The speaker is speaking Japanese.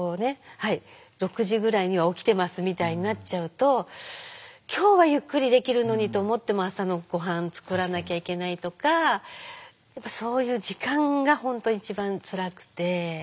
「はい６時ぐらいには起きてます」みたいになっちゃうと「今日はゆっくりできるのに」と思っても朝のごはん作らなきゃいけないとかそういう時間が本当一番つらくて。